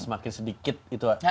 semakin sedikit gitu